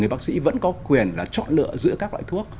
bác sĩ vẫn có quyền là chọn lựa giữa các loại thuốc